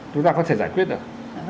chúng ta có thể giải quyết được